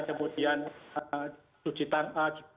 kemudian cuci tangan